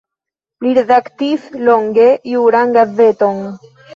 Li redaktis longe juran gazeton.